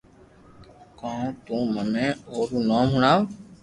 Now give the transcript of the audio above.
ڪاو تو منو او رو نوم ھڻَاوُ